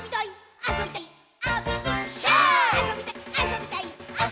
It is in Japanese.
あそびたいっ！！」